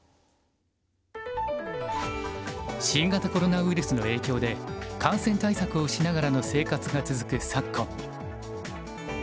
新型コロナウイルスの影響で感染対策をしながらの生活が続く昨今。